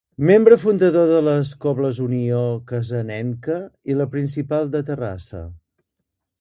Membre fundador de les cobles Unió Cassanenca i La Principal de Terrassa.